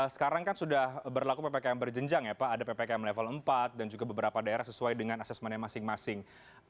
sekarang kan sudah berlaku ppkm berjenjang ya pak ada ppkm level empat dan juga beberapa daerah sesuai dengan asesmennya masing masing